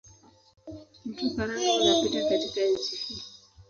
Mto Karanga unapita katika nchi hii.